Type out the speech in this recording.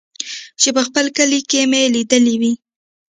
چې په خپل کلي کښې مې ليدلې وې.